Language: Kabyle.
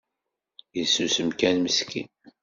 Isusem kan meskin